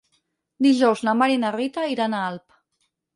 Dijous na Mar i na Rita iran a Alp.